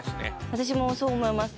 私もそう思います。